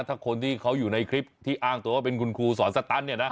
ถ้าคนที่เขาอยู่ในคลิปที่อ้างตัวว่าเป็นคุณครูสอนสตันเนี่ยนะ